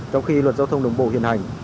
trong khi luật giao thông đồng bộ hiện hành